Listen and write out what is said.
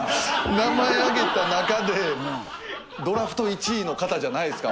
名前あげた中でドラフト１位の方じゃないですか？